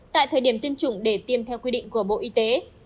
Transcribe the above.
tại thời điểm tiêm chủng để tiêm theo quy định của bộ y tế